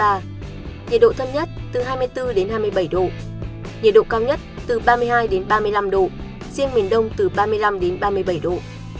nhiệt độ thấp nhất từ hai mươi bốn hai mươi bảy độ nhiệt độ cao nhất từ ba mươi hai ba mươi năm độ riêng miền đông từ ba mươi năm đến ba mươi bảy độ